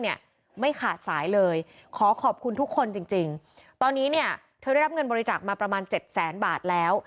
แต่ว่าไม่ขาดสายเลยขอขอบคุณทุกคนจริงตอนนี้เนี่ยเธอได้รับเงินบริจักษณ์มาประมาณ๗๐๐๐๐๐บาทแล้ว